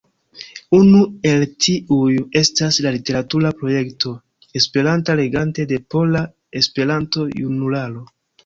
Unu el tiuj estas la literatura projekto E-legante de Pola Esperanto-Junularo.